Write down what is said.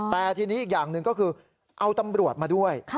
แต่ทีนี้อีกอย่างหนึ่งก็คือเอาตำรวจมาด้วย